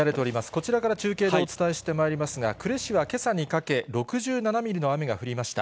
こちらから中継でお伝えしてまいりますが、呉市はけさにかけ、６７ミリの雨が降りました。